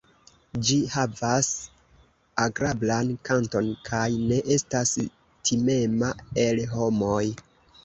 Ĝi havas agrablan kanton kaj ne estas timema el homoj.